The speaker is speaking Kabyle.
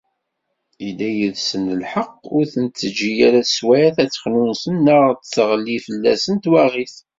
Yedda yid-sen lḥeqq, ur ten-teğği ara teswayt ad xnunsen neɣ d-teɣli fell-asen twaɣit.